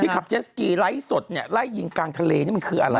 ขับเจสกีไลฟ์สดเนี่ยไล่ยิงกลางทะเลนี่มันคืออะไร